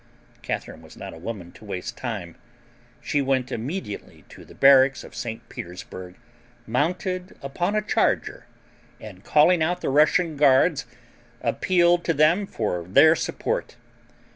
Catharine was not a woman to waste time. She went immediately to the barracks in St. Petersburg, mounted upon a charger, and, calling out the Russian guards, appealed to them for their support.